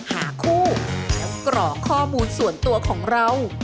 หาคู่แล้วกรอกข้อมูลส่วนตัวของเรา